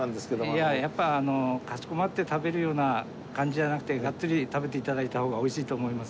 いややっぱかしこまって食べるような感じじゃなくてがっつり食べて頂いた方が美味しいと思います。